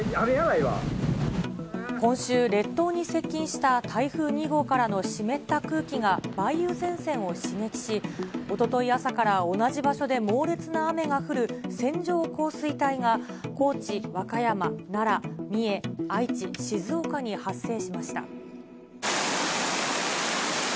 うわ、今週、列島に接近した台風２号からの湿った空気が梅雨前線を刺激し、おととい朝から同じ場所で猛烈な雨が降る、線状降水帯が高知、和歌山、奈良、三重、愛知、静岡に発生しました。